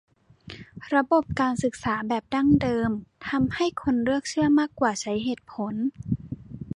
ระบบการศึกษาแบบดั้งเดิมทำให้คนเลือกเชื่อมากกว่าใช้เหตุผล